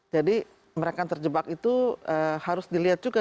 jadi mereka terjebak itu harus dilihat juga